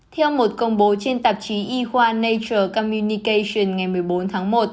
theo một công bố trên tạp chí y khoa nature cammunication ngày một mươi bốn tháng một